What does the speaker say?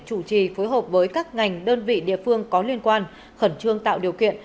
chủ trì phối hợp với các ngành đơn vị địa phương có liên quan khẩn trương tạo điều kiện